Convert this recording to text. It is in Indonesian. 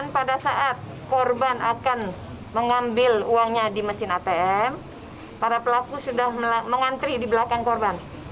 pada saat korban akan mengambil uangnya di mesin atm para pelaku sudah mengantri di belakang korban